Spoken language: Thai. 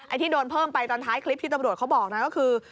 ที่โดนเพิ่มไปตอนท้ายคลิปที่ตำรวจเขาบอกนะก็คือ